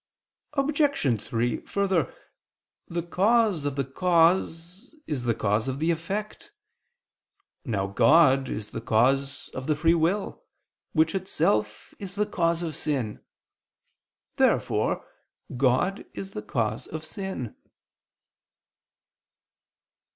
Obj. 3: Further, the cause of the cause is the cause of the effect. Now God is the cause of the free will, which itself is the cause of sin. Therefore God is the cause of sin.